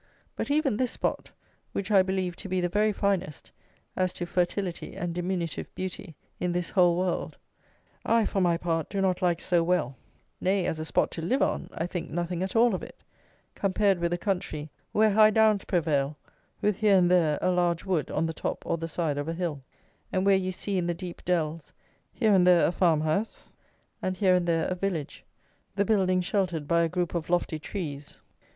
But even this spot, which I believe to be the very finest, as to fertility and diminutive beauty, in this whole world, I, for my part, do not like so well; nay, as a spot to live on, I think nothing at all of it, compared with a country where high downs prevail, with here and there a large wood on the top or the side of a hill, and where you see, in the deep dells, here and there a farm house, and here and there a village, the buildings sheltered by a group of lofty trees.